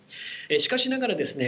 しかしながらですね